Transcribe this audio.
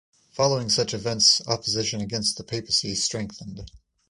Following such events opposition against the papacy strengthened.